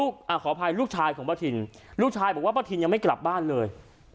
ขออภัยลูกชายของป้าทินลูกชายบอกว่าป้าทินยังไม่กลับบ้านเลย